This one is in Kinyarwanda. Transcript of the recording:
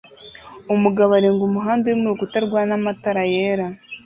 Umugabo arenga umuhanda urimo urukuta rwana matara yera